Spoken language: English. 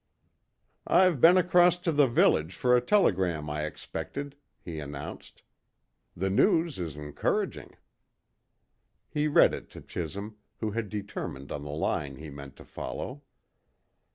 "I've been across to the village for a telegram I expected," he announced. "The news is encouraging." He read it to Chisholm, who had determined on the line he meant to follow.